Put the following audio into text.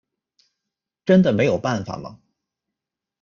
真的没有办法吗？